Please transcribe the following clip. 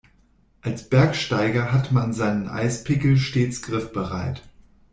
Als Bergsteiger hat man seinen Eispickel stets griffbereit.